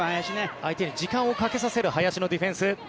相手に時間をかけさせる林のディフェンス。